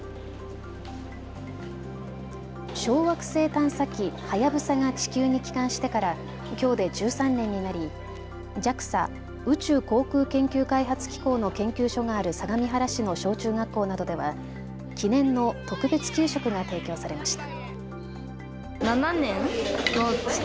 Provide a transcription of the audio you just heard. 小惑星探査機はやぶさが地球に帰還してからきょうで１３年になりＪＡＸＡ・宇宙航空研究開発機構の研究所がある相模原市の小中学校などでは記念の特別給食が提供されました。